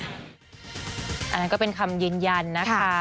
อันนั้นก็เป็นคำยืนยันนะคะ